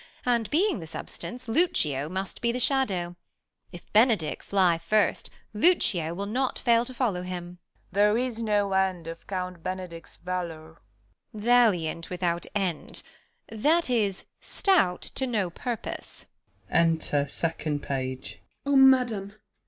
And, being the substance, Lucio must be the shadow ! if Benedick Fly first, Lucio will not fail to follow him. 1 Page. There is no end of Count Benedick's valour. Beat. Valiant without end ; that is, stout to no purpose. Enter 2. Page. 2. Page. Oh madam